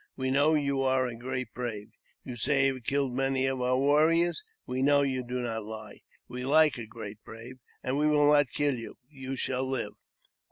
We know you are a great brave. You say you have killed many of our warriors ; we know you do not lie. We like a great brave, and we will not kill you ; you shall live."